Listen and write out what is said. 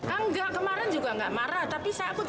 enggak kemarin juga nggak marah tapi takut